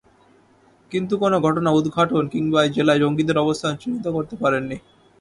কিন্তু কোনো ঘটনা উদ্ঘাটন কিংবা এই জেলায় জঙ্গিদের অবস্থান চিহ্নিত করতে পারেননি।